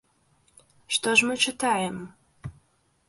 Што ж мы чытаем?